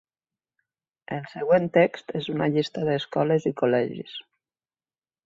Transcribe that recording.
El següent text és una llista d'escoles i col·legis.